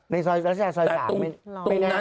ในซอย๓ไม่แน่